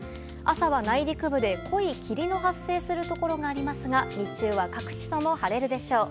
朝は内陸部で、濃い霧の発生するところがありますが日中は各地とも晴れるでしょう。